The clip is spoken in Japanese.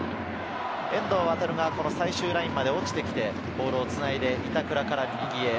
遠藤航が最終ラインまで落ちてきて、ボールをつないで板倉から右へ。